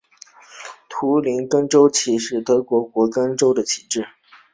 图林根州旗是德国图林根州的旗帜。